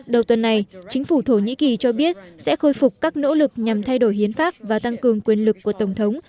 đầu tuần này chính phủ thổ nhĩ kỳ cho biết sẽ khôi phục các nỗ lực nhằm thay đổi hiến pháp và tăng cường quyền lực của tổng thống